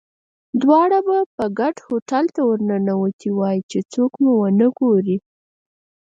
دواړه په ګډه هوټل ته ورننوتي وای، چې څوک مو ونه ګوري.